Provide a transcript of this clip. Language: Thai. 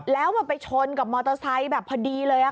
แล้วมันไปชนกับมอเตอร์ไซค์แบบพอดีเลย